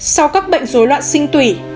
sau các bệnh rối loạn sinh tủy